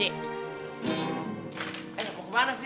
eh gak mau kemana sih